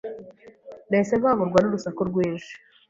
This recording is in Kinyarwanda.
Nahise nkangurwa n urusaku rwinshi.